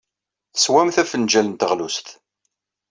Teswamt afenjal n teɣlust.